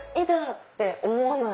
って思わない。